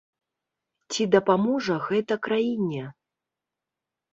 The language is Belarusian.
Ці дапаможа гэта краіне?